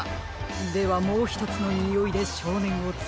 ではもうひとつのにおいでしょうねんをつかまえましょうか。